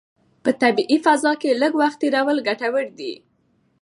په طبیعي فضا کې لږ وخت تېرول ګټور دي.